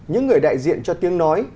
những người đại diện cho tiếng nói